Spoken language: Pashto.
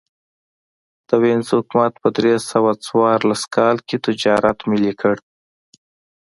د وینز حکومت په درې سوه څوارلس کال کې تجارت ملي کړ